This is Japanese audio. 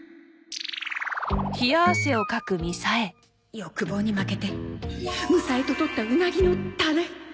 欲望に負けてむさえと取ったうなぎのタレ！